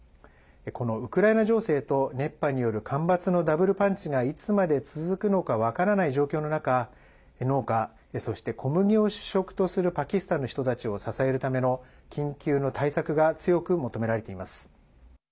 このウクライナ情勢と熱波による干ばつのダブルパンチがいつまで続くのか分からない状況の中農家、そして小麦を主食とするパキスタンの人たちを支えるための緊急の対策が強く求められています。